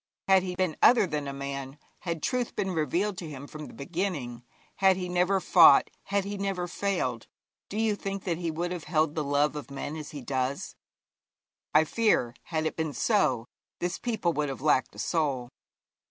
Had he been other than a man, had truth been revealed to him from the beginning, had he never fought, had he never failed, do you think that he would have held the love of men as he does? I fear, had it been so, this people would have lacked a soul.